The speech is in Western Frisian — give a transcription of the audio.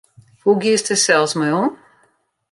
Hoe giest dêr sels mei om?